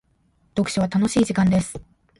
読書は楽しい時間です。